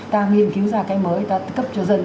ta nghiên cứu ra cái mới người ta cấp cho dân